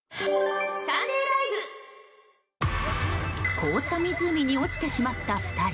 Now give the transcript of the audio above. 凍った湖に落ちてしまった２人。